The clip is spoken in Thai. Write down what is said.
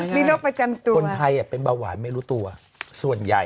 มีโรคประจำตัวคนไทยเป็นเบาหวานไม่รู้ตัวส่วนใหญ่